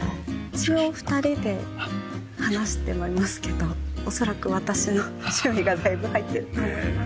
一応２人で話してはいますけどおそらく私の趣味がだいぶ入ってると思います。